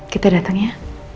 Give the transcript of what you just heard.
kita datang ya